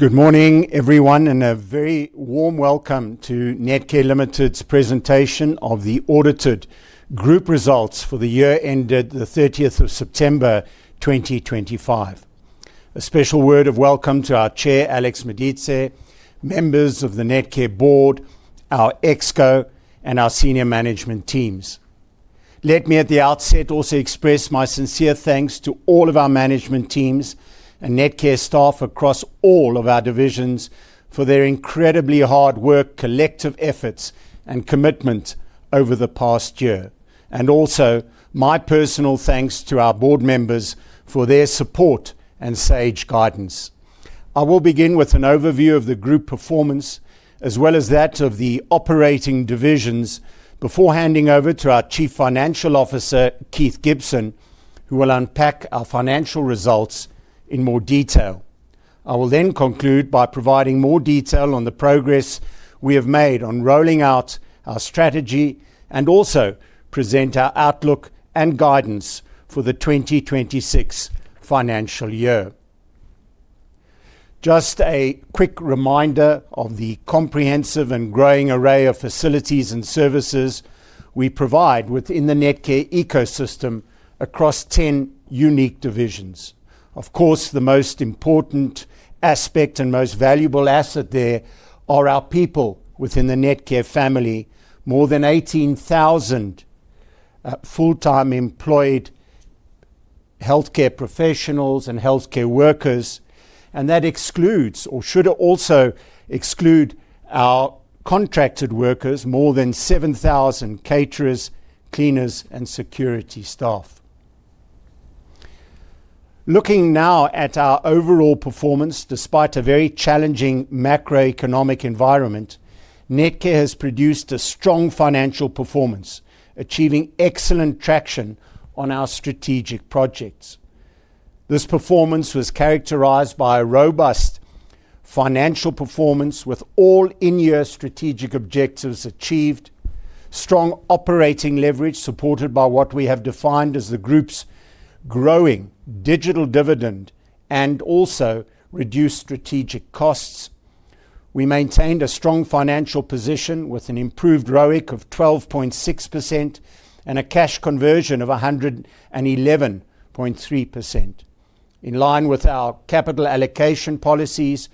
Good morning, everyone, and a very warm welcome to Netcare Limited's presentation of the audited group results for the year ended the 30th of September, 2025. A special word of welcome to our Chair, Alex Medice, members of the Netcare Board, our ExCo, and our senior management teams. Let me, at the outset, also express my sincere thanks to all of our management teams and Netcare staff across all of our divisions for their incredibly hard work, collective efforts, and commitment over the past year. Also, my personal thanks to our board members for their support and sage guidance. I will begin with an overview of the group performance, as well as that of the operating divisions, before handing over to our Chief Financial Officer, Keith Gibson, who will unpack our financial results in more detail. I will then conclude by providing more detail on the progress we have made on rolling out our strategy and also present our outlook and guidance for the 2026 financial year. Just a quick reminder of the comprehensive and growing array of facilities and services we provide within the Netcare ecosystem across ten unique divisions. Of course, the most important aspect and most valuable asset there are our people within the Netcare family, more than 18,000 full-time employed healthcare professionals and healthcare workers, and that excludes, or should also exclude, our contracted workers, more than 7,000 caterers, cleaners, and security staff. Looking now at our overall performance, despite a very challenging macroeconomic environment, Netcare has produced a strong financial performance, achieving excellent traction on our strategic projects. This performance was characterized by a robust financial performance, with all in-year strategic objectives achieved, strong operating leverage supported by what we have defined as the group's growing digital dividend, and also reduced strategic costs. We maintained a strong financial position with an improved ROIC of 12.6% and a cash conversion of 111.3%. In line with our capital allocation policies,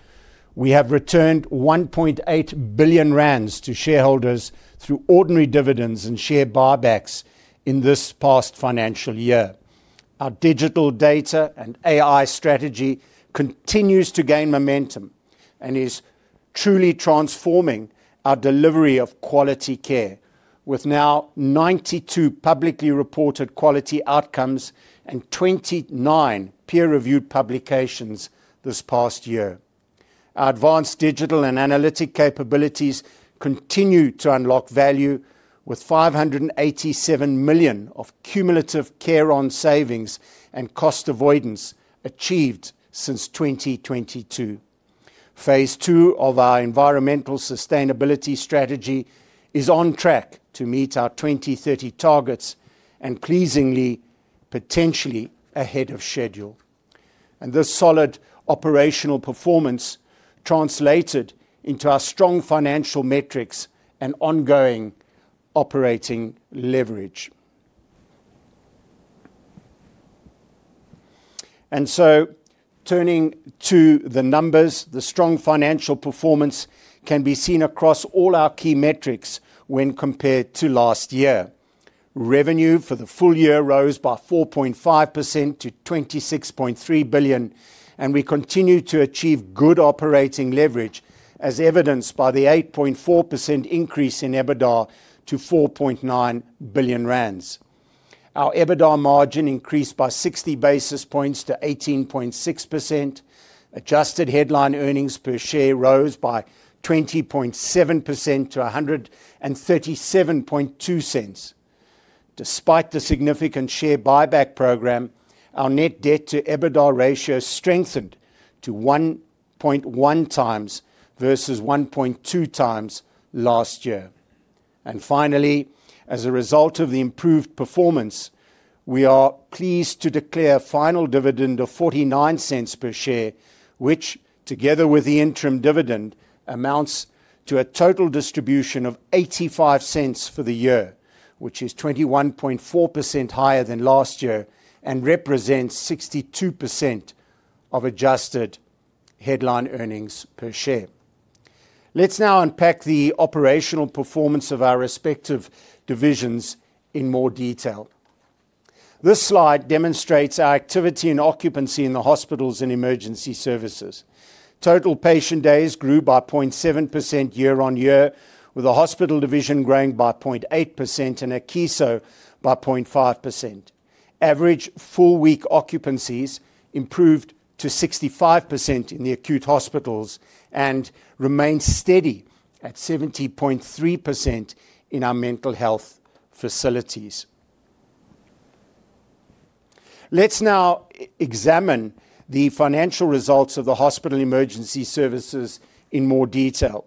we have returned 1.8 billion rand to shareholders through ordinary dividends and share buybacks in this past financial year. Our digital data and AI strategy continues to gain momentum and is truly transforming our delivery of quality care, with now 92 publicly reported quality outcomes and 29 peer-reviewed publications this past year. Our advanced digital and analytic capabilities continue to unlock value, with 587 million of cumulative care-on savings and cost avoidance achieved since 2022. Phase two of our environmental sustainability strategy is on track to meet our 2030 targets and, pleasingly, potentially ahead of schedule. This solid operational performance translated into our strong financial metrics and ongoing operating leverage. Turning to the numbers, the strong financial performance can be seen across all our key metrics when compared to last year. Revenue for the full year rose by 4.5% to 26.3 billion, and we continue to achieve good operating leverage, as evidenced by the 8.4% increase in EBITDA to 4.9 billion rand. Our EBITDA margin increased by 60 basis points to 18.6%. Adjusted headline earnings per share rose by 20.7% to ZAR 1.372. Despite the significant share buyback program, our net debt-to-EBITDA ratio strengthened to 1.1x versus 1.2x last year. Finally, as a result of the improved performance, we are pleased to declare a final dividend of 0.49 per share, which, together with the interim dividend, amounts to a total distribution of 0.85 for the year, which is 21.4% higher than last year and represents 62% of adjusted headline earnings per share. Let's now unpack the operational performance of our respective divisions in more detail. This slide demonstrates our activity and occupancy in the hospitals and emergency services. Total patient days grew by 0.7% year-on-year, with the hospital division growing by 0.8% and Akeso by 0.5%. Average full-week occupancies improved to 65% in the acute hospitals and remained steady at 70.3% in our mental health facilities. Let's now examine the financial results of the hospital emergency services in more detail.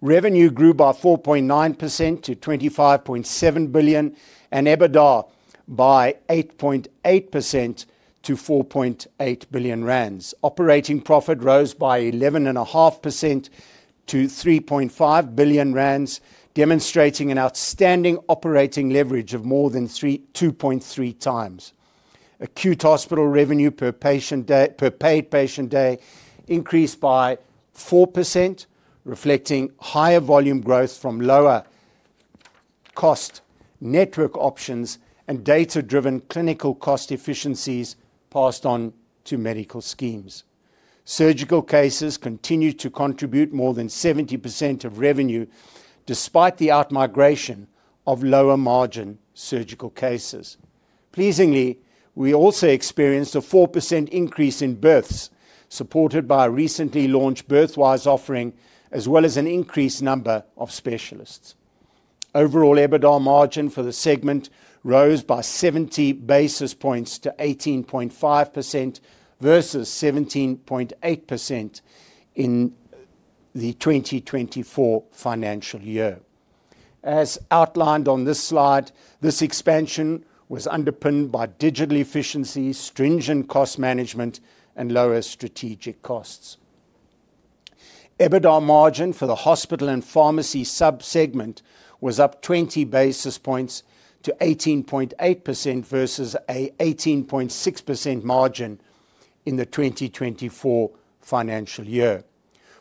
Revenue grew by 4.9% to 25.7 billion, and EBITDA by 8.8% to 4.8 billion rand. Operating profit rose by 11.5% to 3.5 billion rand, demonstrating an outstanding operating leverage of more than 2.3x. Acute hospital revenue per paid patient day increased by 4%, reflecting higher volume growth from lower cost network options and data-driven clinical cost efficiencies passed on to medical schemes. Surgical cases continued to contribute more than 70% of revenue, despite the out-migration of lower-margin surgical cases. Pleasingly, we also experienced a 4% increase in births, supported by a recently launched Birthwise offering, as well as an increased number of specialists. Overall EBITDA margin for the segment rose by 70 basis points to 18.5% versus 17.8% in the 2024 financial year. As outlined on this slide, this expansion was underpinned by digital efficiencies, stringent cost management, and lower strategic costs. EBITDA margin for the hospital and pharmacy subsegment was up 20 basis points to 18.8% versus an 18.6% margin in the 2024 financial year.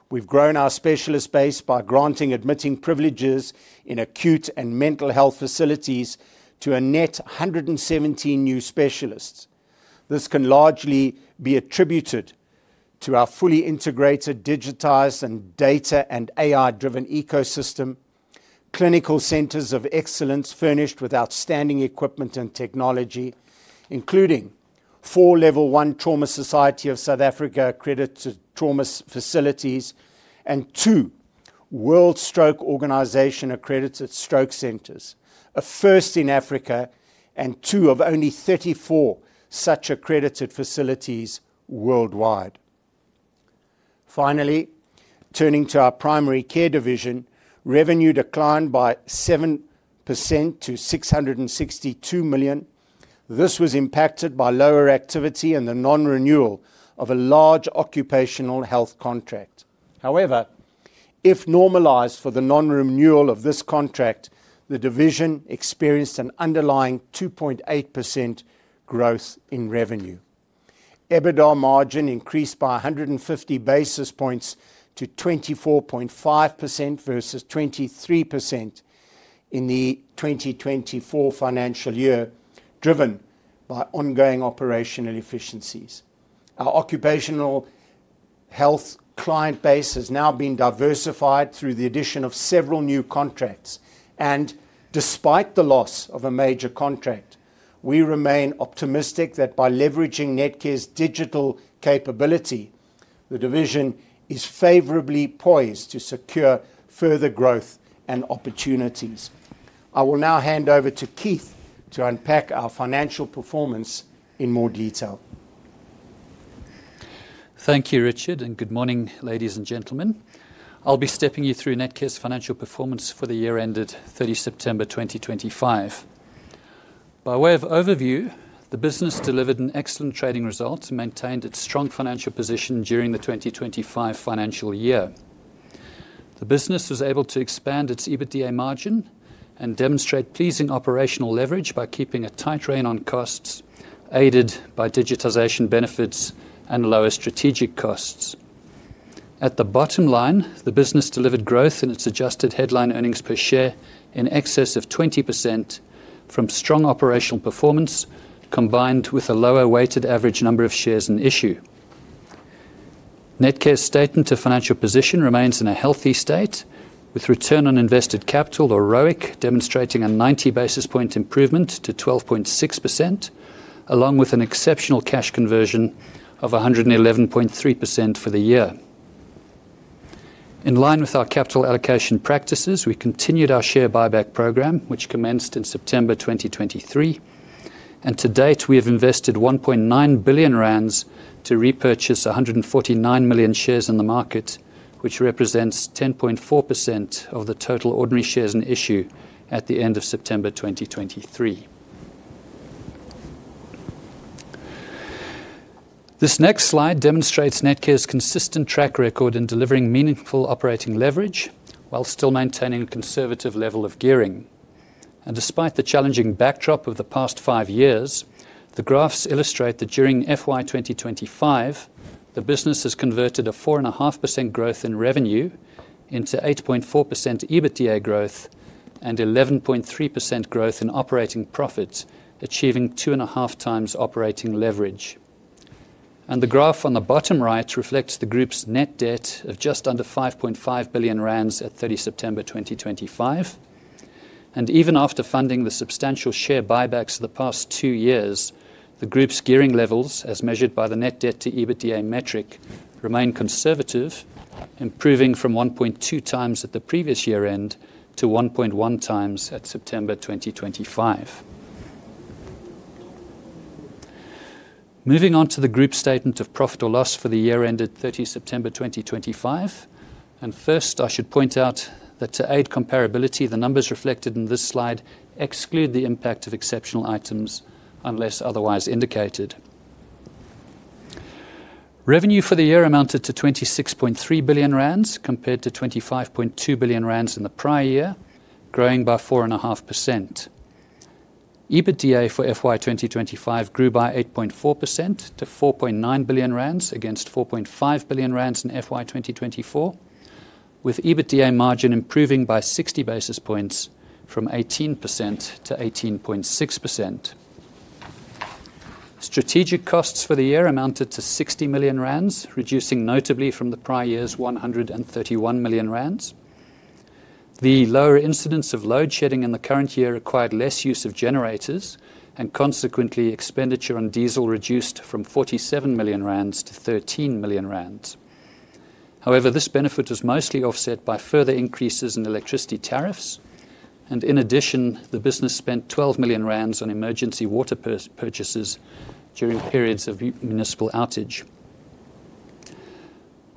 We've grown our specialist base by granting admitting privileges in acute and mental health facilities to a net 117 new specialists. This can largely be attributed to our fully integrated, digitized, and data and AI-driven ecosystem, clinical centers of excellence furnished with outstanding equipment and technology, including four Level 1 Trauma Society of South Africa-accredited trauma facilities and two World Stroke Organization-accredited stroke centers, a first in Africa and two of only 34 such accredited facilities worldwide. Finally, turning to our primary care division, revenue declined by 7% to 662 million. This was impacted by lower activity and the non-renewal of a large occupational health contract. However, if normalized for the non-renewal of this contract, the division experienced an underlying 2.8% growth in revenue. EBITDA margin increased by 150 basis points to 24.5% versus 23% in the 2024 financial year, driven by ongoing operational efficiencies. Our occupational health client base has now been diversified through the addition of several new contracts. Despite the loss of a major contract, we remain optimistic that by leveraging Netcare's digital capability, the division is favorably poised to secure further growth and opportunities. I will now hand over to Keith to unpack our financial performance in more detail. Thank you, Richard, and good morning, ladies and gentlemen. I'll be stepping you through Netcare's financial performance for the year ended September 30, 2025. By way of overview, the business delivered an excellent trading result and maintained its strong financial position during the 2025 financial year. The business was able to expand its EBITDA margin and demonstrate pleasing operational leverage by keeping a tight rein on costs, aided by digitization benefits and lower strategic costs. At the bottom line, the business delivered growth in its adjusted headline earnings per share in excess of 20% from strong operational performance, combined with a lower weighted average number of shares in issue. Netcare's statement of financial position remains in a healthy state, with return on invested capital, or ROIC, demonstrating a 90 basis point improvement to 12.6%, along with an exceptional cash conversion of 111.3% for the year. In line with our capital allocation practices, we continued our share buyback program, which commenced in September 2023. To date, we have invested 1.9 billion rand to repurchase 149 million shares in the market, which represents 10.4% of the total ordinary shares in issue at the end of September 2023. This next slide demonstrates Netcare's consistent track record in delivering meaningful operating leverage while still maintaining a conservative level of gearing. Despite the challenging backdrop of the past five years, the graphs illustrate that during FY 2025, the business has converted a 4.5% growth in revenue into 8.4% EBITDA growth and 11.3% growth in operating profit, achieving 2.5x operating leverage. The graph on the bottom right reflects the group's net debt of just under 5.5 billion rand at September 30, 2025. Even after funding the substantial share buybacks of the past two years, the group's gearing levels, as measured by the net debt-to-EBITDA metric, remain conservative, improving from 1.2x at the previous year-end to 1.1x at September 2025. Moving on to the group statement of profit or loss for the year ended September 30, 2025. First, I should point out that to aid comparability, the numbers reflected in this slide exclude the impact of exceptional items unless otherwise indicated. Revenue for the year amounted to 26.3 billion rand compared to 25.2 billion rand in the prior year, growing by 4.5%. EBITDA for FY 2025 grew by 8.4% to 4.9 billion rand against 4.5 billion rand in FY 2024, with EBITDA margin improving by 60 basis points from 18% to 18.6%. Strategic costs for the year amounted to 60 million rand, reducing notably from the prior year's 131 million rand. The lower incidence of load shedding in the current year required less use of generators, and consequently, expenditure on diesel reduced from 47 million rand to 13 million rand. However, this benefit was mostly offset by further increases in electricity tariffs. In addition, the business spent 12 million rand on emergency water purchases during periods of municipal outage.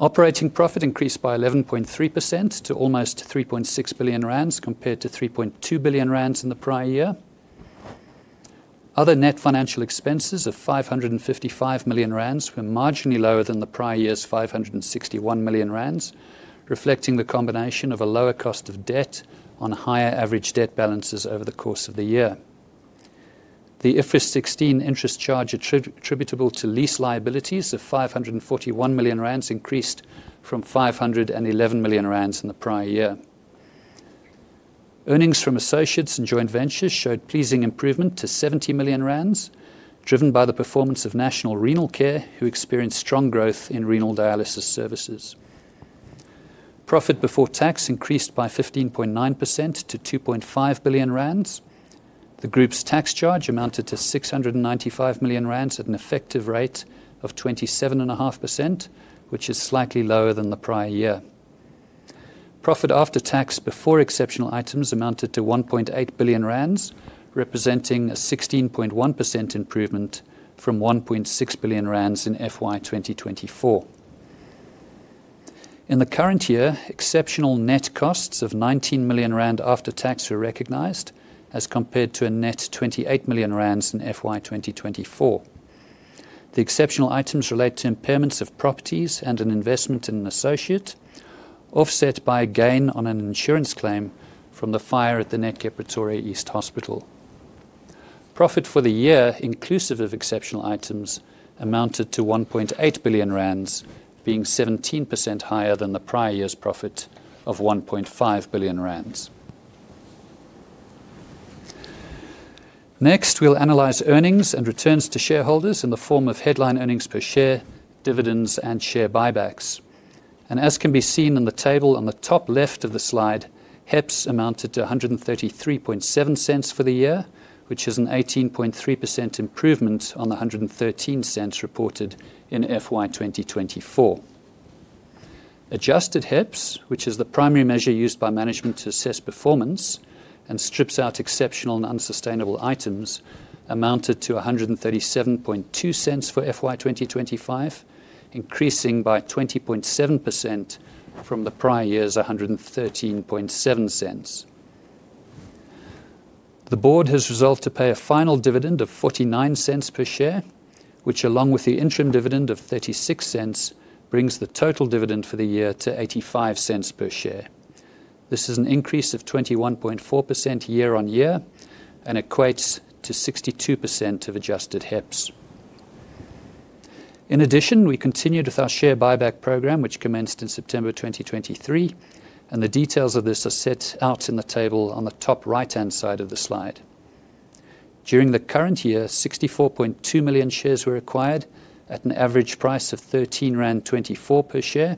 Operating profit increased by 11.3% to almost 3.6 billion rand compared to 3.2 billion rand in the prior year. Other net financial expenses of 555 million rand were marginally lower than the prior year's 561 million rand, reflecting the combination of a lower cost of debt on higher average debt balances over the course of the year. The IFRS 16 interest charge attributable to lease liabilities of 541 million rand increased from 511 million rand in the prior year. Earnings from associates and joint ventures showed pleasing improvement to 70 million rand, driven by the performance of National Renal Care, who experienced strong growth in renal dialysis services. Profit before tax increased by 15.9% to 2.5 billion rand. The group's tax charge amounted to 695 million rand at an effective rate of 27.5%, which is slightly lower than the prior year. Profit after tax before exceptional items amounted to 1.8 billion rand, representing a 16.1% improvement from 1.6 billion rand in FY 2024. In the current year, exceptional net costs of 19 million rand after tax were recognized, as compared to a net 28 million rand in FY 2024. The exceptional items relate to impairments of properties and an investment in an associate, offset by a gain on an insurance claim from the fire at the Netcare Pretoria East Hospital. Profit for the year, inclusive of exceptional items, amounted to 1.8 billion rand, being 17% higher than the prior year's profit of 1.5 billion rand. Next, we will analyze earnings and returns to shareholders in the form of headline earnings per share, dividends, and share buybacks. As can be seen in the table on the top left of the slide, HEPS amounted to 1.337 for the year, which is an 18.3% improvement on the 1.13 reported in FY 2024. Adjusted HEPS, which is the primary measure used by management to assess performance and strips out exceptional and unsustainable items, amounted to 1.372 for FY 2025, increasing by 20.7% from the prior year's 1.137. The board has resolved to pay a final dividend of 0.49 per share, which, along with the interim dividend of 0.36, brings the total dividend for the year to 0.85 per share. This is an increase of 21.4% year-on-year and equates to 62% of adjusted HEPS. In addition, we continued with our share buyback program, which commenced in September 2023, and the details of this are set out in the table on the top right-hand side of the slide. During the current year, 64.2 million shares were acquired at an average price of 13.24 rand per share,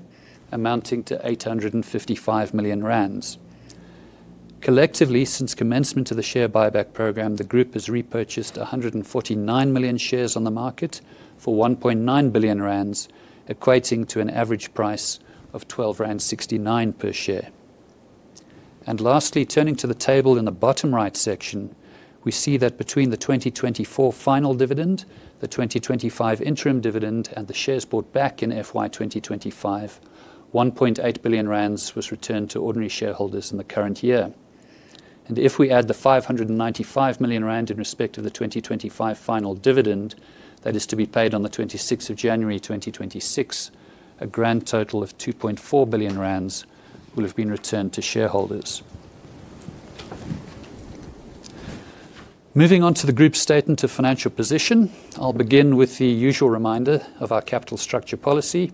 amounting to 855 million rand. Collectively, since commencement of the share buyback program, the group has repurchased 149 million shares on the market for 1.9 billion rand, equating to an average price of 12.69 rand per share. Lastly, turning to the table in the bottom right section, we see that between the 2024 final dividend, the 2025 interim dividend, and the shares bought back in FY 2025, 1.8 billion rand was returned to ordinary shareholders in the current year. If we add the 595 million rand in respect of the 2025 final dividend, that is to be paid on the January 26th, 2026, a grand total of 2.4 billion rand will have been returned to shareholders. Moving on to the group statement of financial position, I'll begin with the usual reminder of our capital structure policy,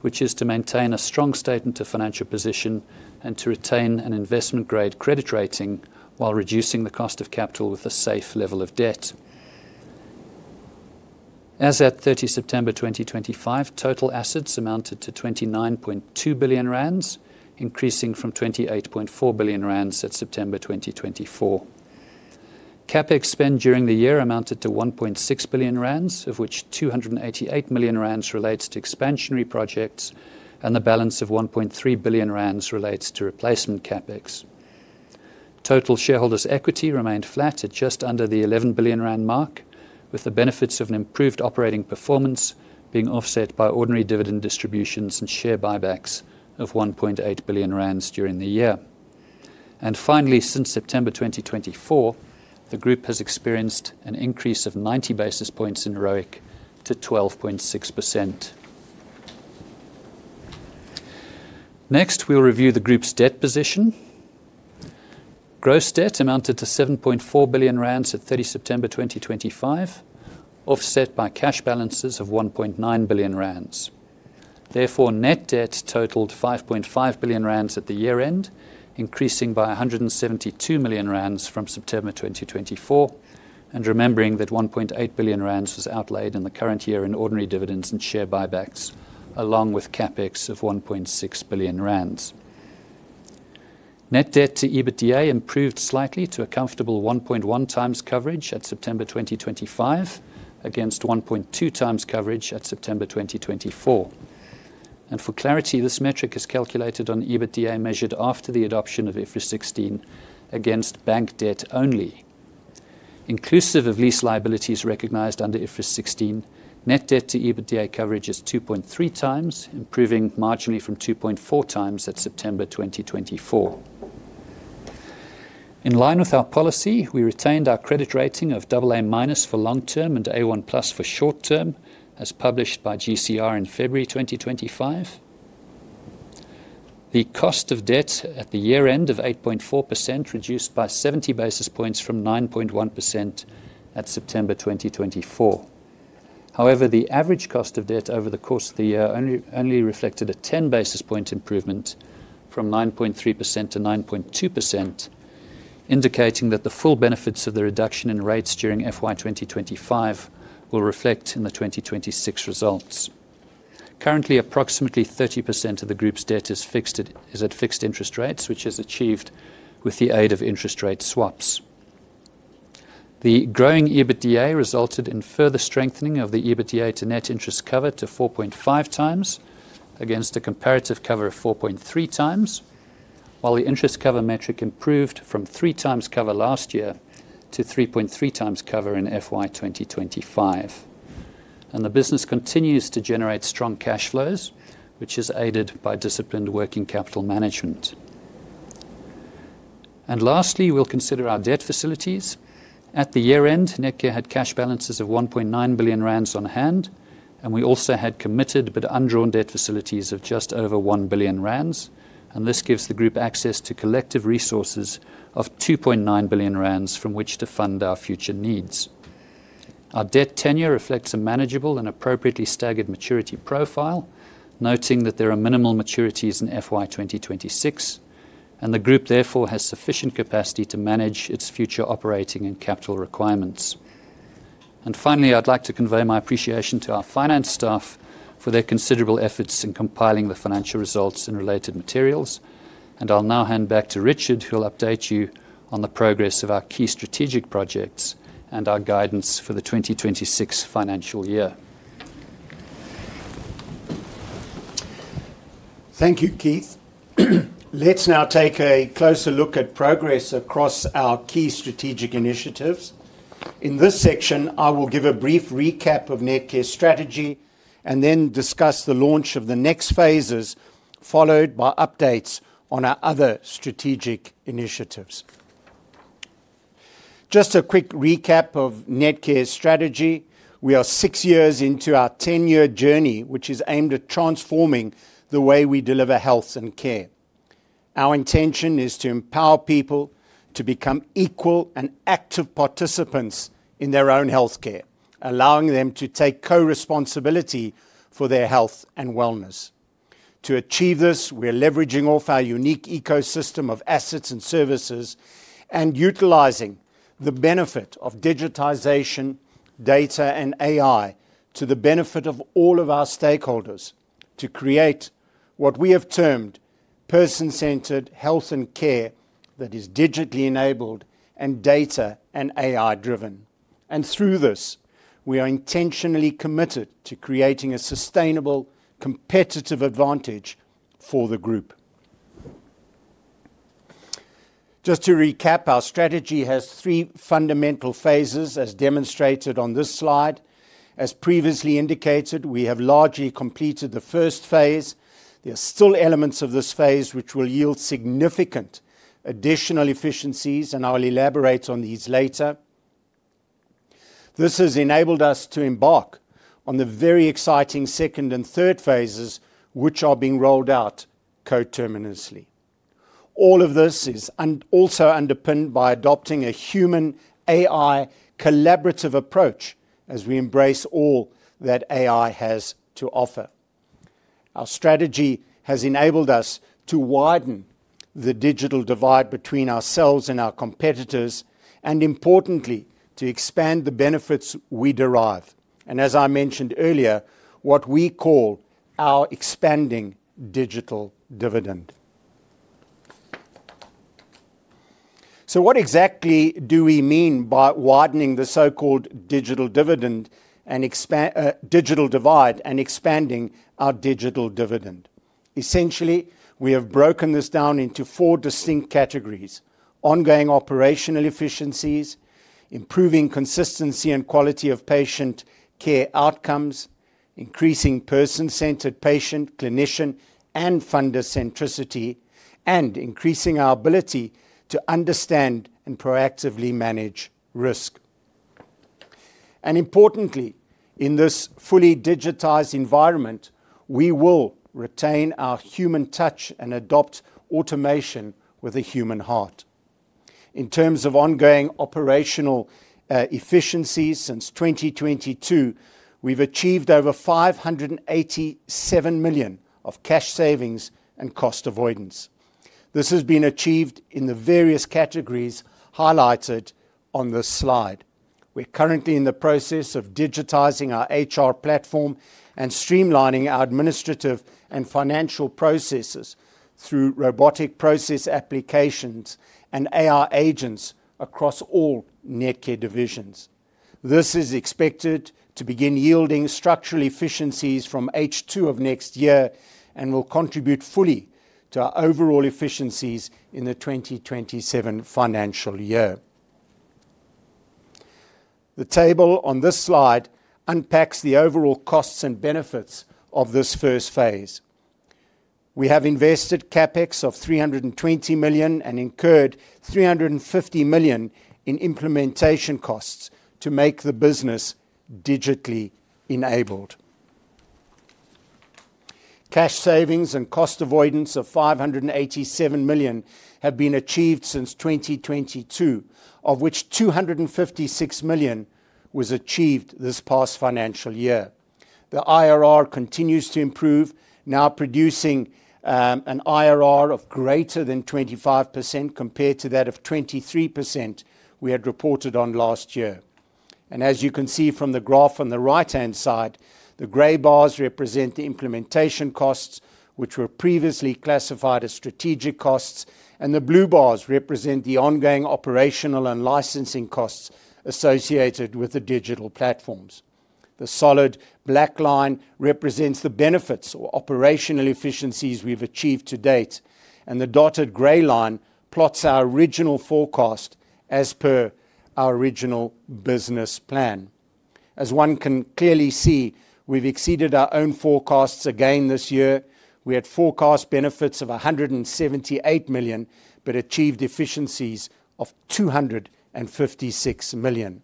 which is to maintain a strong statement of financial position and to retain an investment-grade credit rating while reducing the cost of capital with a safe level of debt. As at September 30, 2025, total assets amounted to 29.2 billion rand, increasing from 28.4 billion rand at September 2024. Capex spend during the year amounted to 1.6 billion rand, of which 288 million rand relates to expansionary projects, and the balance of 1.3 billion rand relates to replacement Capex. Total shareholders' equity remained flat at just under the 11 billion rand mark, with the benefits of an improved operating performance being offset by ordinary dividend distributions and share buybacks of 1.8 billion rand during the year. Since September 2024, the group has experienced an increase of 90 basis points in ROIC to 12.6%. Next, we will review the group's debt position. Gross debt amounted to 7.4 billion rand at September 30, 2025, offset by cash balances of 1.9 billion rand. Therefore, net debt totaled 5.5 billion rand at the year-end, increasing by 172 million rand from September 2024, and remembering that 1.8 billion rand was outlaid in the current year in ordinary dividends and share buybacks, along with Capex of 1.6 billion rand. Net debt to EBITDA improved slightly to a comfortable 1.1x coverage at September 2025 against 1.2x coverage at September 2024. For clarity, this metric is calculated on EBITDA measured after the adoption of IFRS 16 against bank debt only. Inclusive of lease liabilities recognized under IFRS 16, net debt to EBITDA coverage is 2.3x, improving marginally from 2.4x at September 2024. In line with our policy, we retained our credit rating of AA- for long term and A1+ for short term, as published by GCR in February 2025. The cost of debt at the year-end of 8.4% reduced by 70 basis points from 9.1% at September 2024. However, the average cost of debt over the course of the year only reflected a 10 basis point improvement from 9.3% to 9.2%, indicating that the full benefits of the reduction in rates during FY 2025 will reflect in the 2026 results. Currently, approximately 30% of the group's debt is at fixed interest rates, which is achieved with the aid of interest rate swaps. The growing EBITDA resulted in further strengthening of the EBITDA to net interest cover to 4.5x against a comparative cover of 4.3x, while the interest cover metric improved from 3x cover last year to 3.3x cover in FY 2025. The business continues to generate strong cash flows, which is aided by disciplined working capital management. Lastly, we'll consider our debt facilities. At the year-end, Netcare had cash balances of 1.9 billion rand on hand, and we also had committed but undrawn debt facilities of just over 1 billion rand. This gives the group access to collective resources of 2.9 billion rand from which to fund our future needs. Our debt tenure reflects a manageable and appropriately staggered maturity profile, noting that there are minimal maturities in FY 2026, and the group therefore has sufficient capacity to manage its future operating and capital requirements. Finally, I'd like to convey my appreciation to our finance staff for their considerable efforts in compiling the financial results and related materials. I'll now hand back to Richard, who'll update you on the progress of our key strategic projects and our guidance for the 2026 financial year. Thank you, Keith. Let's now take a closer look at progress across our key strategic initiatives. In this section, I will give a brief recap of Netcare's strategy and then discuss the launch of the next phases, followed by updates on our other strategic initiatives. Just a quick recap of Netcare's strategy. We are six years into our 10-year journey, which is aimed at transforming the way we deliver health and care. Our intention is to empower people to become equal and active participants in their own healthcare, allowing them to take co-responsibility for their health and wellness. To achieve this, we're leveraging all of our unique ecosystem of assets and services and utilizing the benefit of digitization, data, and AI to the benefit of all of our stakeholders to create what we have termed person-centered health and care that is digitally enabled and data and AI-driven. Through this, we are intentionally committed to creating a sustainable competitive advantage for the group. Just to recap, our strategy has three fundamental phases, as demonstrated on this slide. As previously indicated, we have largely completed the first phase. There are still elements of this phase which will yield significant additional efficiencies, and I'll elaborate on these later. This has enabled us to embark on the very exciting second and third phases, which are being rolled out co-terminously. All of this is also underpinned by adopting a human-AI collaborative approach as we embrace all that AI has to offer. Our strategy has enabled us to widen the digital divide between ourselves and our competitors and, importantly, to expand the benefits we derive. As I mentioned earlier, what we call our expanding digital dividend. What exactly do we mean by widening the so-called digital divide and expanding our digital dividend? Essentially, we have broken this down into four distinct categories: ongoing operational efficiencies, improving consistency and quality of patient care outcomes, increasing person-centered patient, clinician, and funder centricity, and increasing our ability to understand and proactively manage risk. Importantly, in this fully digitized environment, we will retain our human touch and adopt automation with a human heart. In terms of ongoing operational efficiencies, since 2022, we've achieved over 587 million of cash savings and cost avoidance. This has been achieved in the various categories highlighted on this slide. We're currently in the process of digitizing our HR platform and streamlining our administrative and financial processes through robotic process applications and AR agents across all Netcare divisions. This is expected to begin yielding structural efficiencies from H2 of next year and will contribute fully to our overall efficiencies in the 2027 financial year. The table on this slide unpacks the overall costs and benefits of this first phase. We have invested CapEx of 320 million and incurred 350 million in implementation costs to make the business digitally enabled. Cash savings and cost avoidance of 587 million have been achieved since 2022, of which 256 million was achieved this past financial year. The IRR continues to improve, now producing an IRR of greater than 25% compared to that of 23% we had reported on last year. As you can see from the graph on the right-hand side, the gray bars represent the implementation costs, which were previously classified as strategic costs, and the blue bars represent the ongoing operational and licensing costs associated with the digital platforms. The solid black line represents the benefits or operational efficiencies we've achieved to date, and the dotted gray line plots our original forecast as per our original business plan. As one can clearly see, we've exceeded our own forecasts again this year. We had forecast benefits of 178 million but achieved efficiencies of 256 million.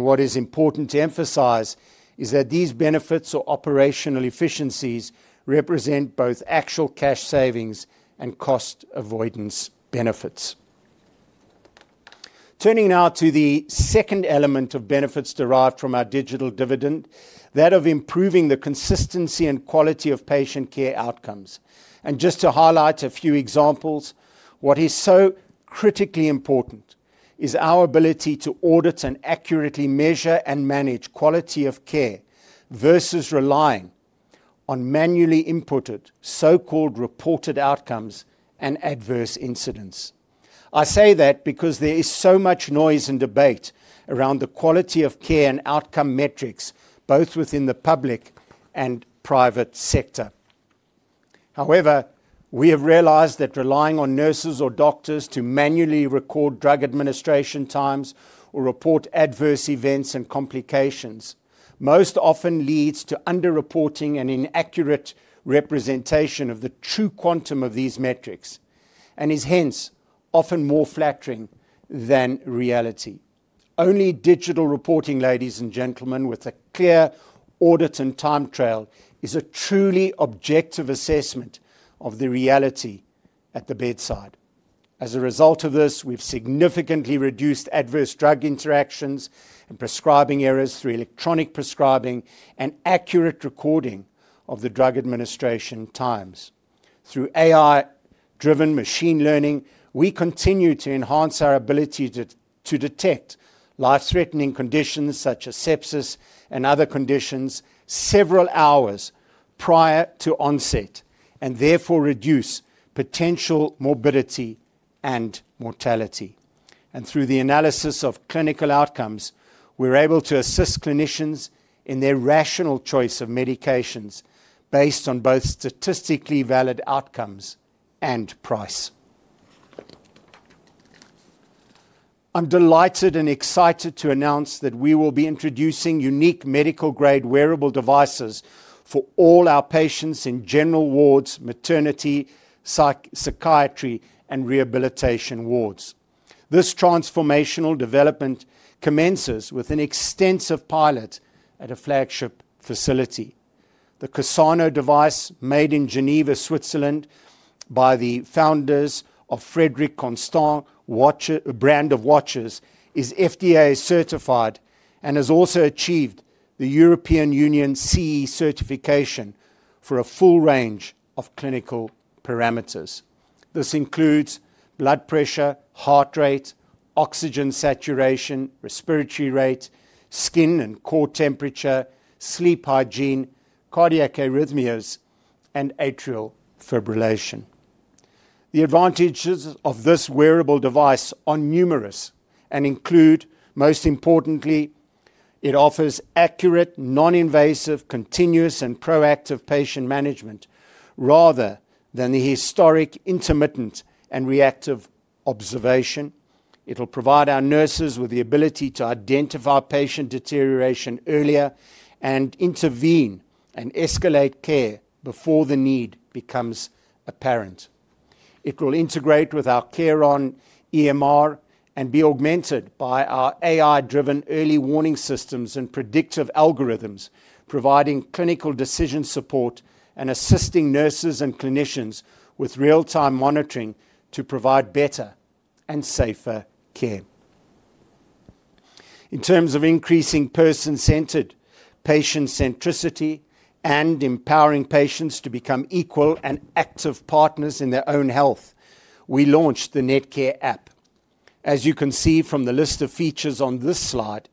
What is important to emphasize is that these benefits or operational efficiencies represent both actual cash savings and cost avoidance benefits. Turning now to the second element of benefits derived from our digital dividend, that of improving the consistency and quality of patient care outcomes. Just to highlight a few examples, what is so critically important is our ability to audit and accurately measure and manage quality of care versus relying on manually inputted so-called reported outcomes and adverse incidents. I say that because there is so much noise and debate around the quality of care and outcome metrics, both within the public and private sector. However, we have realized that relying on nurses or doctors to manually record drug administration times or report adverse events and complications most often leads to underreporting and inaccurate representation of the true quantum of these metrics and is hence often more flattering than reality. Only digital reporting, ladies and gentlemen, with a clear audit and time trail is a truly objective assessment of the reality at the bedside. As a result of this, we've significantly reduced adverse drug interactions and prescribing errors through electronic prescribing and accurate recording of the drug administration times. Through AI-driven machine learning, we continue to enhance our ability to detect life-threatening conditions such as sepsis and other conditions several hours prior to onset and therefore reduce potential morbidity and mortality. Through the analysis of clinical outcomes, we're able to assist clinicians in their rational choice of medications based on both statistically valid outcomes and price. I'm delighted and excited to announce that we will be introducing unique medical-grade wearable devices for all our patients in general wards, maternity, psychiatry, and rehabilitation wards. This transformational development commences with an extensive pilot at a flagship facility. The Cassano device, made in Geneva, Switzerland, by the founders of Frederic Constant, a brand of watches, is FDA-certified and has also achieved the European Union CE certification for a full range of clinical parameters. This includes blood pressure, heart rate, oxygen saturation, respiratory rate, skin and core temperature, sleep hygiene, cardiac arrhythmias, and atrial fibrillation. The advantages of this wearable device are numerous and include, most importantly, it offers accurate, non-invasive, continuous, and proactive patient management rather than the historic intermittent and reactive observation. It'll provide our nurses with the ability to identify patient deterioration earlier and intervene and escalate care before the need becomes apparent. It will integrate with our KRON EMR and be augmented by our AI-driven early warning systems and predictive algorithms, providing clinical decision support and assisting nurses and clinicians with real-time monitoring to provide better and safer care. In terms of increasing person-centered patient centricity and empowering patients to become equal and active partners in their own health, we launched the Netcare app. As you can see from the list of features on this slide,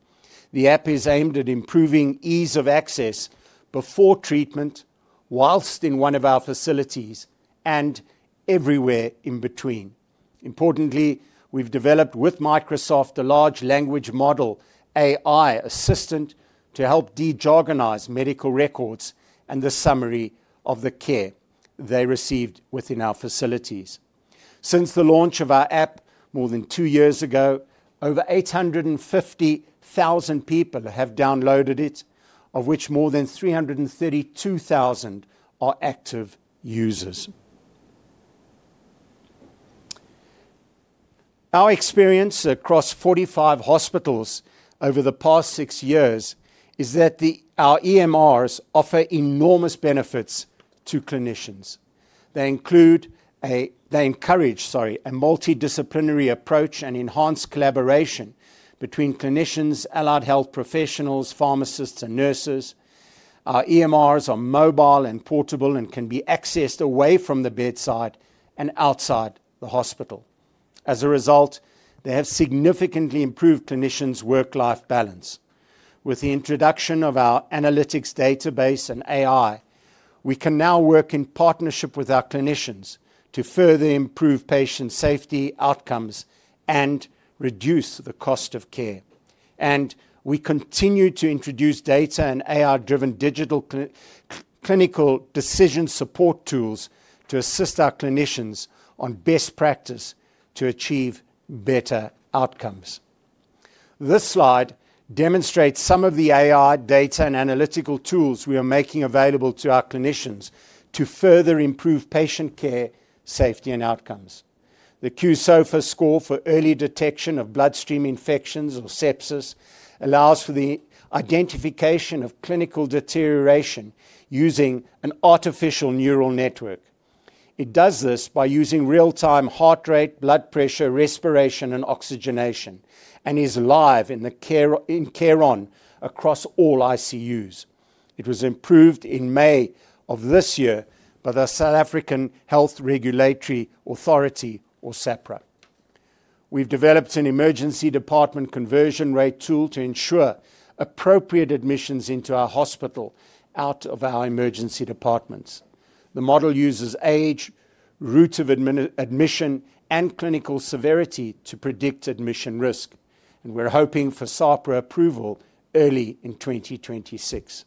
the app is aimed at improving ease of access before treatment whilst in one of our facilities and everywhere in between. Importantly, we've developed with Microsoft a large language model AI assistant to help dejargonize medical records and the summary of the care they received within our facilities. Since the launch of our app more than two years ago, over 850,000 people have downloaded it, of which more than 332,000 are active users. Our experience across 45 hospitals over the past six years is that our EMRs offer enormous benefits to clinicians. They encourage a multidisciplinary approach and enhanced collaboration between clinicians, allied health professionals, pharmacists, and nurses. Our EMRs are mobile and portable and can be accessed away from the bedside and outside the hospital. As a result, they have significantly improved clinicians' work-life balance. With the introduction of our analytics database and AI, we can now work in partnership with our clinicians to further improve patient safety outcomes and reduce the cost of care. We continue to introduce data and AI-driven digital clinical decision support tools to assist our clinicians on best practice to achieve better outcomes. This slide demonstrates some of the AI data and analytical tools we are making available to our clinicians to further improve patient care safety and outcomes. The qSOFA score for early detection of bloodstream infections or sepsis allows for the identification of clinical deterioration using an artificial neural network. It does this by using real-time heart rate, blood pressure, respiration, and oxygenation and is live in KRON across all ICUs. It was approved in May of this year by the South African Health Regulatory Authority, or SAPRA. We've developed an emergency department conversion rate tool to ensure appropriate admissions into our hospital out of our emergency departments. The model uses age, route of admission, and clinical severity to predict admission risk. We're hoping for SAPRA approval early in 2026.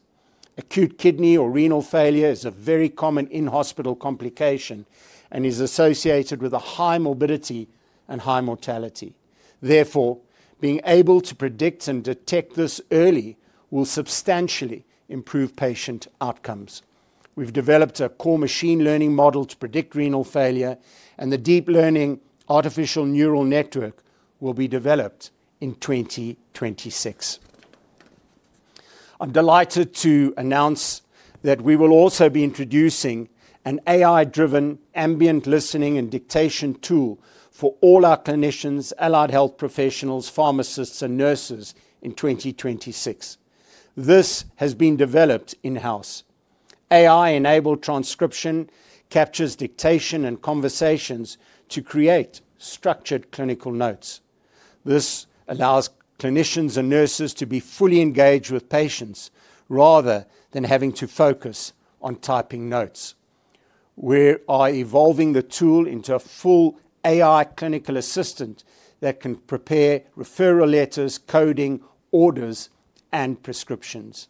Acute kidney or renal failure is a very common in-hospital complication and is associated with a high morbidity and high mortality. Therefore, being able to predict and detect this early will substantially improve patient outcomes. We've developed a core machine learning model to predict renal failure, and the deep learning artificial neural network will be developed in 2026. I'm delighted to announce that we will also be introducing an AI-driven ambient listening and dictation tool for all our clinicians, allied health professionals, pharmacists, and nurses in 2026. This has been developed in-house. AI-enabled transcription captures dictation and conversations to create structured clinical notes. This allows clinicians and nurses to be fully engaged with patients rather than having to focus on typing notes. We are evolving the tool into a full AI clinical assistant that can prepare referral letters, coding, orders, and prescriptions.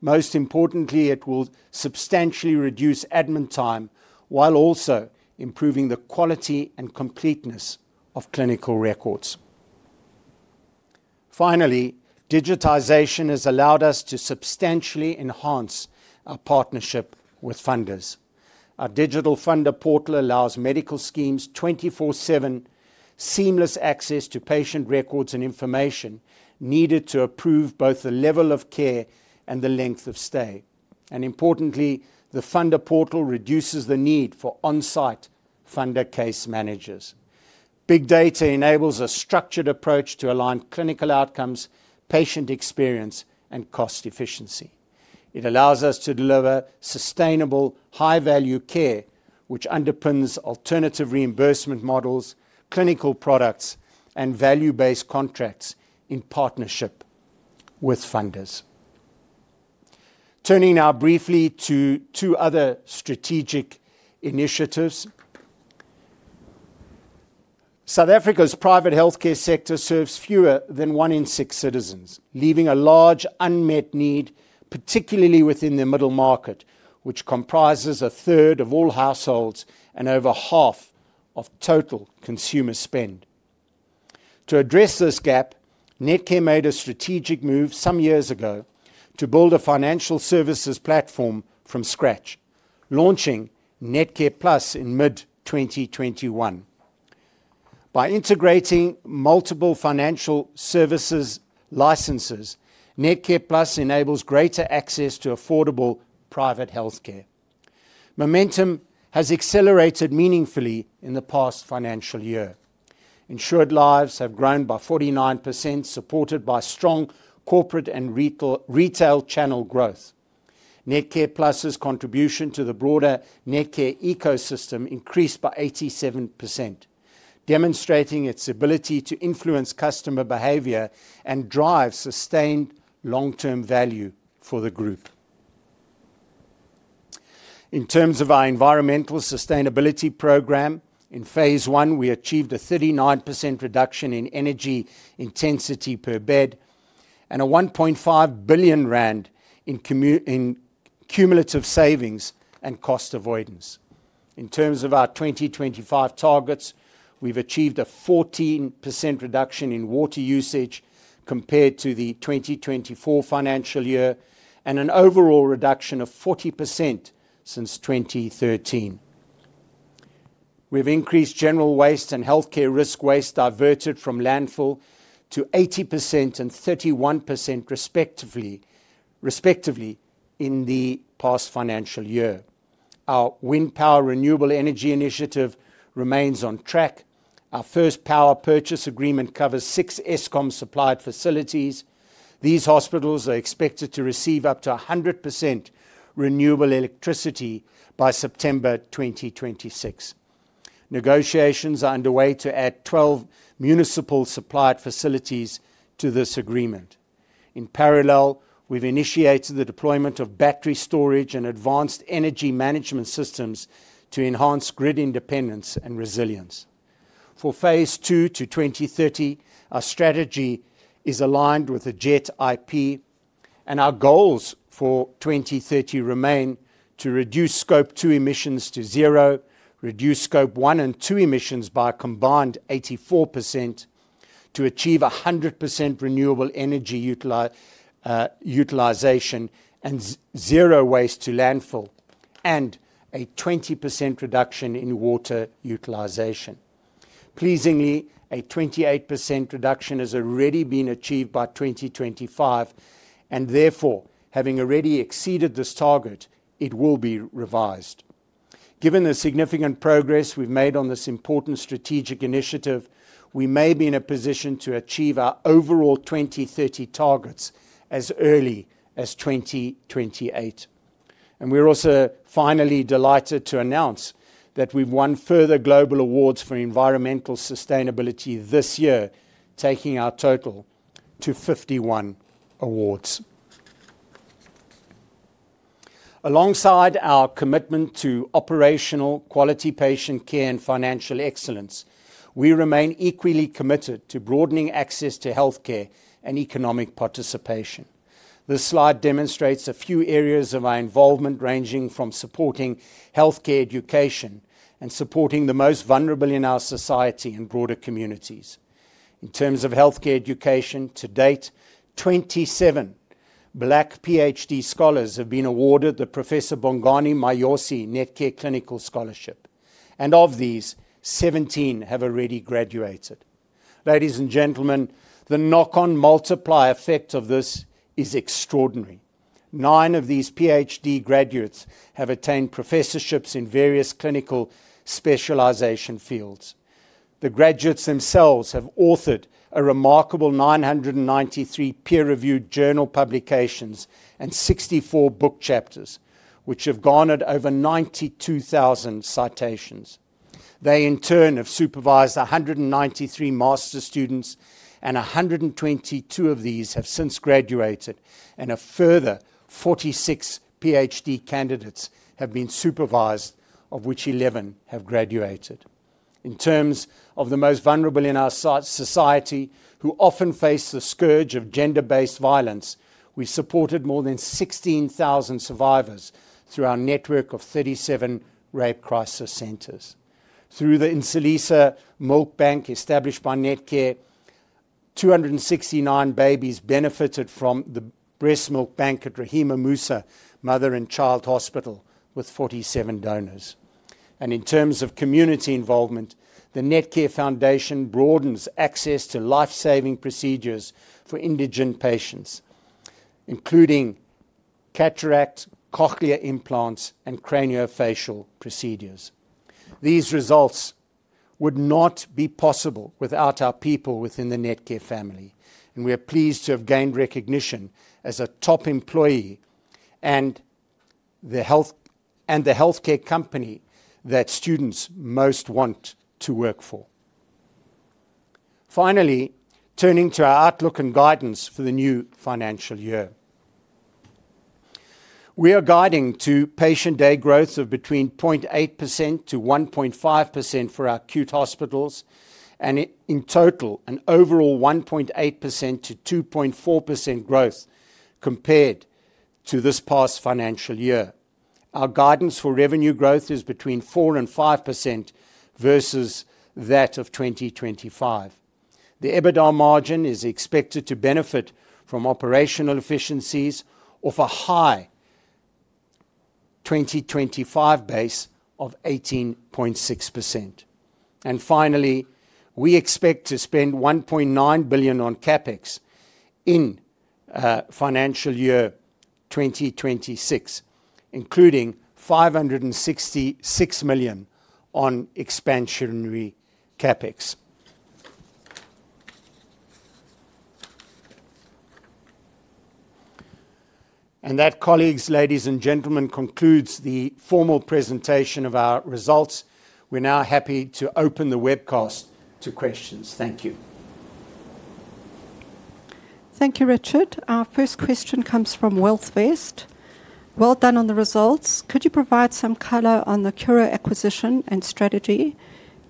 Most importantly, it will substantially reduce admin time while also improving the quality and completeness of clinical records. Finally, digitization has allowed us to substantially enhance our partnership with funders. Our digital funder portal allows medical schemes 24/7 seamless access to patient records and information needed to approve both the level of care and the length of stay. Importantly, the funder portal reduces the need for on-site funder case managers. Big Data enables a structured approach to align clinical outcomes, patient experience, and cost efficiency. It allows us to deliver sustainable, high-value care, which underpins alternative reimbursement models, clinical products, and value-based contracts in partnership with funders. Turning now briefly to two other strategic initiatives. South Africa's private healthcare sector serves fewer than one in six citizens, leaving a large unmet need, particularly within the middle market, which comprises 1/3 of all households and over 1/2 of total consumer spend. To address this gap, Netcare made a strategic move some years ago to build a financial services platform from scratch, launching NetcarePlus in mid-2021. By integrating multiple financial services licenses, NetcarePlus enables greater access to affordable private healthcare. Momentum has accelerated meaningfully in the past financial year. Insured lives have grown by 49%, supported by strong corporate and retail channel growth. NetcarePlus' contribution to the broader Netcare ecosystem increased by 87%, demonstrating its ability to influence customer behavior and drive sustained long-term value for the group. In terms of our environmental sustainability program, in phase one, we achieved a 39% reduction in energy intensity per bed and a 1.5 billion rand in cumulative savings and cost avoidance. In terms of our 2025 targets, we've achieved a 14% reduction in water usage compared to the 2024 financial year and an overall reduction of 40% since 2013. We've increased general waste and healthcare risk waste diverted from landfill to 80% and 31% respectively in the past financial year. Our wind power renewable energy initiative remains on track. Our first power purchase agreement covers six Eskom supplied facilities. These hospitals are expected to receive up to 100% renewable electricity by September 2026. Negotiations are underway to add 12 municipal supplied facilities to this agreement. In parallel, we've initiated the deployment of battery storage and advanced energy management systems to enhance grid independence and resilience. For phase II to 2030, our strategy is aligned with the JET IP, and our goals for 2030 remain to reduce scope two emissions to zero, reduce scope one and two emissions by a combined 84%, to achieve 100% renewable energy utilization and zero waste to landfill, and a 20% reduction in water utilization. Pleasingly, a 28% reduction has already been achieved by 2025, and therefore, having already exceeded this target, it will be revised. Given the significant progress we've made on this important strategic initiative, we may be in a position to achieve our overall 2030 targets as early as 2028. We are also finally delighted to announce that we've won further global awards for environmental sustainability this year, taking our total to 51 awards. Alongside our commitment to operational quality patient care and financial excellence, we remain equally committed to broadening access to healthcare and economic participation. This slide demonstrates a few areas of our involvement ranging from supporting healthcare education and supporting the most vulnerable in our society and broader communities. In terms of healthcare education, to date, 27 Black PhD scholars have been awarded the Professor Bongani Mayosi Netcare Clinical Scholarship, and of these, 17 have already graduated. Ladies and gentlemen, the knock-on multiplier effect of this is extraordinary. Nine of these PhD graduates have attained professorships in various clinical specialization fields. The graduates themselves have authored a remarkable 993 peer-reviewed journal publications and 64 book chapters, which have garnered over 92,000 citations. They, in turn, have supervised 193 master's students, and 122 of these have since graduated, and a further 46 PhD candidates have been supervised, of which 11 have graduated. In terms of the most vulnerable in our society, who often face the scourge of gender-based violence, we've supported more than 16,000 survivors through our network of 37 rape crisis centers. Through the Insulisa Milk Bank established by Netcare, 269 babies benefited from the breast milk bank at Rahima Moosa Mother and Child Hospital with 47 donors. In terms of community involvement, the Netcare Foundation broadens access to life-saving procedures for indigent patients, including cataract, cochlear implants, and craniofacial procedures. These results would not be possible without our people within the Netcare family, and we are pleased to have gained recognition as a top employee and the healthcare company that students most want to work for. Finally, turning to our outlook and guidance for the new financial year, we are guiding to patient day growth of between 0.8% and 1.5% for our acute hospitals and in total, an overall 1.8%-2.4% growth compared to this past financial year. Our guidance for revenue growth is between 4% and 5% versus that of 2025. The EBITDA margin is expected to benefit from operational efficiencies of a high 2025 base of 18.6%. Finally, we expect to spend 1.9 billion on CapEx in financial year 2026, including 566 million on expansionary CapEx. That, colleagues, ladies and gentlemen, concludes the formal presentation of our results. We are now happy to open the webcast to questions. Thank you. Thank you, Richard. Our first question comes from WealthVest. Well done on the results. Could you provide some color on the Cura acquisition and strategy?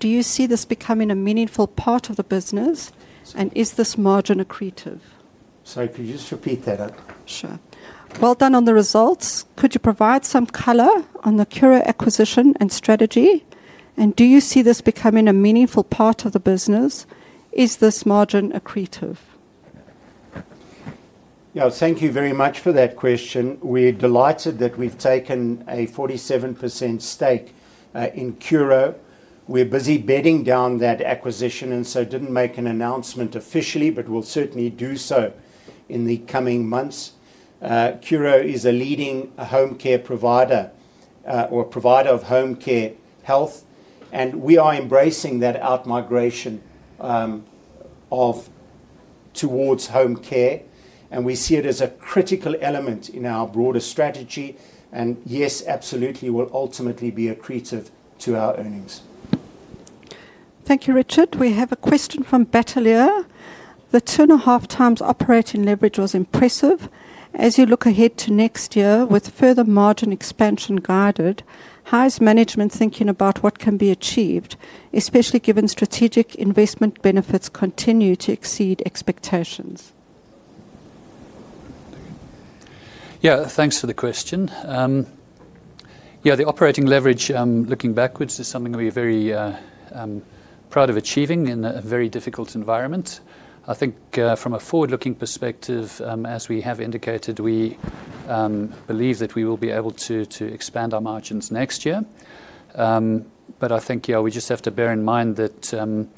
Do you see this becoming a meaningful part of the business, and is this margin accretive? If you just repeat that up. Sure. Well done on the results. Could you provide some color on the Cura acquisition and strategy, and do you see this becoming a meaningful part of the business? Is this margin accretive? Yeah, thank you very much for that question. We're delighted that we've taken a 47% stake in Cura. We're busy bedding down that acquisition and did not make an announcement officially, but we'll certainly do so in the coming months. Cura is a leading home care provider or provider of home care health, and we are embracing that out migration towards home care, and we see it as a critical element in our broader strategy. Yes, absolutely, it will ultimately be accretive to our earnings. Thank you, Richard. We have a question from [Bataliur]. The 2.5x operating leverage was impressive. As you look ahead to next year with further margin expansion guided, how is management thinking about what can be achieved, especially given strategic investment benefits continue to exceed expectations? Yeah, thanks for the question. Yeah, the operating leverage, looking backwards, is something we're very proud of achieving in a very difficult environment. I think from a forward-looking perspective, as we have indicated, we believe that we will be able to expand our margins next year. I think, yeah, we just have to bear in mind that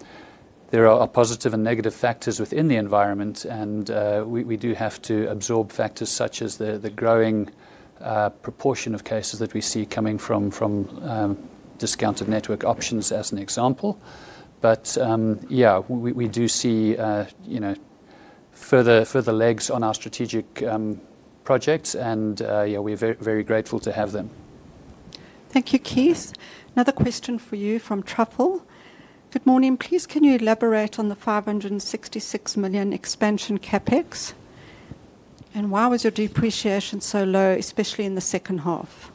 there are positive and negative factors within the environment, and we do have to absorb factors such as the growing proportion of cases that we see coming from discounted network options as an example. Yeah, we do see further legs on our strategic projects, and yeah, we're very grateful to have them. Thank you, Keith. Another question for you from Truffle. Good morning. Please, can you elaborate on the 566 million expansion CapEx? And why was your depreciation so low, especially in the second half?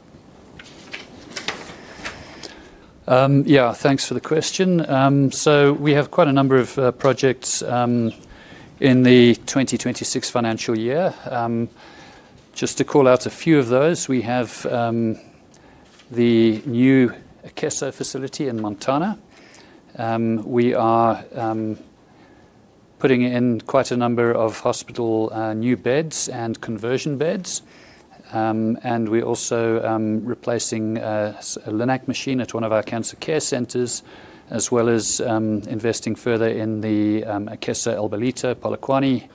Yeah, thanks for the question. We have quite a number of projects in the 2026 financial year. Just to call out a few of those, we have the new Akeso facility in Montana. We are putting in quite a number of hospital new beds and conversion beds, and we're also replacing a Linac machine at one of our cancer care centers, as well as investing further in the Akeso Elangeni and Balita Polokwane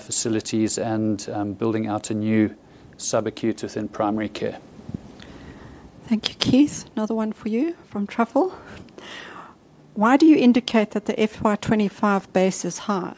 facilities and building out a new subacute within primary care. Thank you, Keith. Another one for you from Truffle. Why do you indicate that the FY 2025 base is high?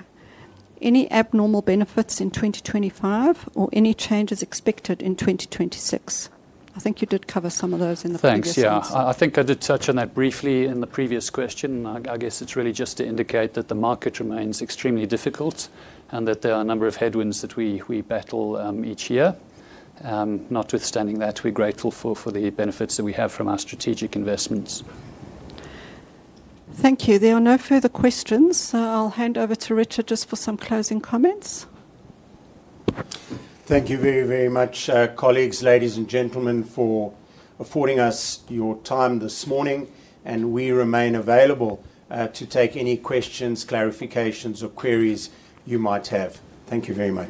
Any abnormal benefits in 2025 or any changes expected in 2026? I think you did cover some of those in the previous question. Thanks. Yeah, I think I did touch on that briefly in the previous question. I guess it's really just to indicate that the market remains extremely difficult and that there are a number of headwinds that we battle each year. Notwithstanding that, we're grateful for the benefits that we have from our strategic investments. Thank you. There are no further questions. I'll hand over to Richard just for some closing comments. Thank you very, very much, colleagues, ladies and gentlemen, for affording us your time this morning, and we remain available to take any questions, clarifications, or queries you might have. Thank you very much.